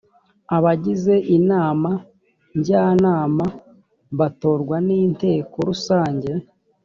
abagize inama njyanama batorwa ni inteko rusange